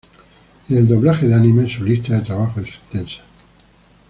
En el doblaje de anime, su lista de trabajo es extensa.